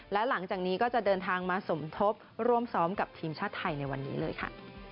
และหลังจากนี้ก็จะเดินทางมาสมทบร่วมซ้อมกับทีมชาติไทยในวันนี้เลยค่ะ